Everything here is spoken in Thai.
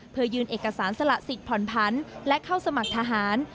เพื่อยื่นเอกสารสละสิทธิ์ผ่อนผันและเข้าสมัครทหาร